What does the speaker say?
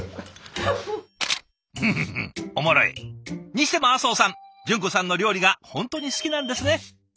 にしても阿相さん淳子さんの料理が本当に好きなんですね。